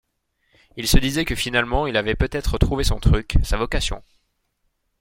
Il se disait que finalement, il avait peut-être trouvé son truc, sa vocation.